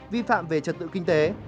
vi phạm về trật tự kinh tế